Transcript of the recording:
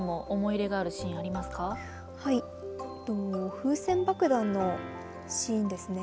風船爆弾のシーンですね。